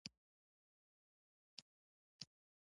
طالبان فقط د پاکستان د پوځ غوندې